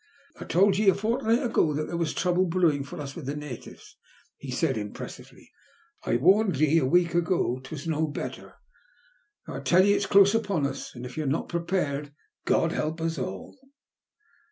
" I told ye a fortnight ago that there was trouble brewing for us with the natives," he said impres sively. *' I warned ye a week ago that *twas no 253 THE LUST OF HATE. better. Now I tell ye ita close upon us, and if we're not prepared, God help us all."